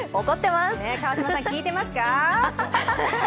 川島さん、聞いてますか？